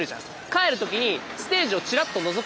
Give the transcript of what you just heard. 帰る時にステージをちらっとのぞくのよ。